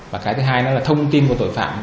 và cái thứ hai nữa là thông tin của tội phạm